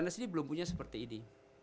nah tenis ini belum punya seperti ini